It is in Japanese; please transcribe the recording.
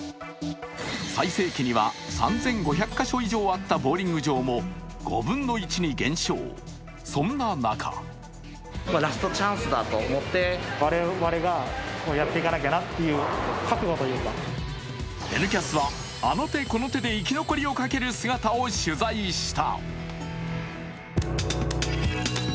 最盛期には３５００か所以上あったボウリング場も５分の１に減少、そんな中「Ｎキャス」はあの手この手で生き残りをかける姿を取材した。